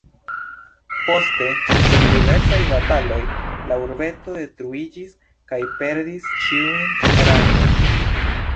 Poste dum diversaj bataloj la urbeto detruiĝis kaj perdis ĉiujn rangojn.